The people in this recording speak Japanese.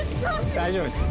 大丈夫ですか？